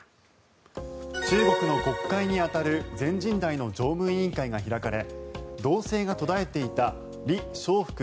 中国の国会に当たる全人代の常務委員会が開かれ動静が途絶えていたリ・ショウフク